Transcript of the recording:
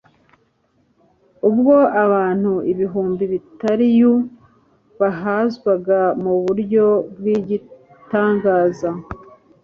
ubwo abantu ibihumbi bitariu bahazwaga mu buryo bw'igitangaza.